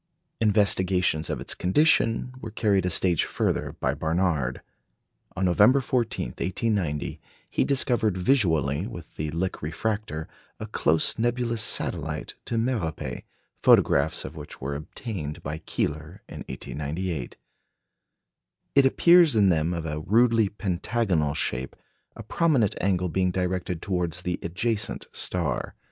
Investigations of its condition were carried a stage further by Barnard. On November 14, 1890, he discovered visually with the Lick refractor a close nebulous satellite to Merope, photographs of which were obtained by Keeler in 1898. It appears in them of a rudely pentagonal shape, a prominent angle being directed towards the adjacent star.